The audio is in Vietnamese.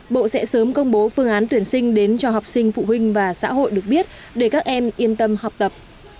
bộ sẽ sớm công bố phương án tuyển sinh đến cho học sinh phụ huynh và xã hội được biết để các em yên tâm học tập